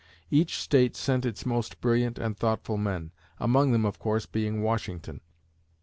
Each State sent its most brilliant and thoughtful men, among them, of course, being Washington.